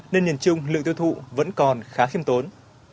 nên nhìn chung lượng tiêu thụ vẫn còn khá khiêm tốn